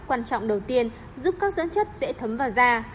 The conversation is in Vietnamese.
quan trọng đầu tiên giúp các dưỡng chất dễ thấm vào da